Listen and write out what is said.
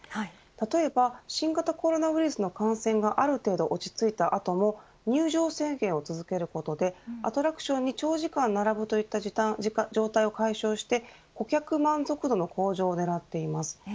例えば、新型コロナウイルスの感染がある程度落ち着いた後も入場制限を続けることでアトラクションに長時間並ぶといった状態を解消して顧客満足度の向上を狙っています。